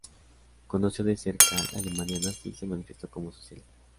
Conoció de cerca la Alemania nazi y se manifestó como socialista.